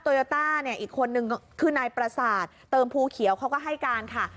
โยต้าเนี่ยอีกคนนึงคือนายประสาทเติมภูเขียวเขาก็ให้การค่ะ